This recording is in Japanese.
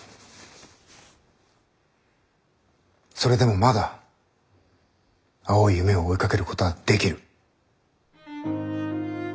それでもまだ青い夢を追いかけることはできる。